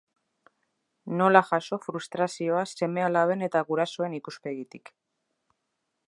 Nola jaso frustazioa seme-alaben eta gurasoen ikuspegitik.